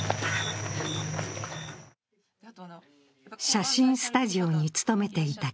写真スタジオに勤めていた